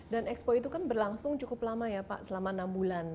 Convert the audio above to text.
dan expo itu kan berlangsung cukup lama ya pak selama enam bulan